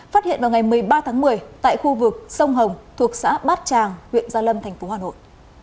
phát hiện vào ngày một mươi ba tháng một mươi tại khu vực sông hồng thuộc xã bát tràng huyện gia lâm thành phố hà nội